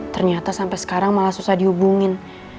ternyata sampai sekarang malah susah dihubungin